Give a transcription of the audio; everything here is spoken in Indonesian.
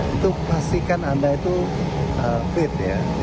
untuk pastikan anda fit